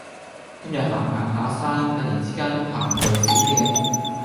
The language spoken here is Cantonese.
今日行行下山突然之間行雷閃電